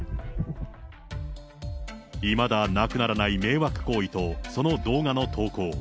いまだなくならない迷惑行為と、その動画の投稿。